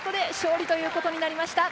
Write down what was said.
うりということになりました！